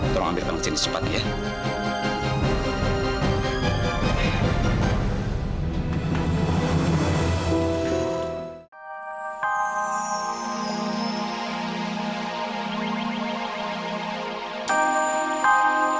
tolong ambilkan ke sini cepat ya